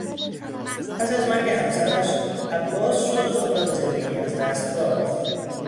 پس از مرگ همسرش، عباس شوق خود را به زندگی از دست داد.